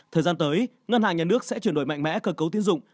thời gian tới ngân hàng nhà nước sẽ chuyển đổi mạnh mẽ cơ cấu tiến dụng